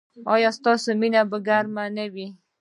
ایا ستاسو مینه به ګرمه نه وي؟